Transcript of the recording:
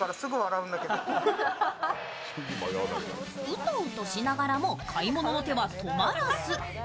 ウトウトしながらも、買い物の手は止まらず。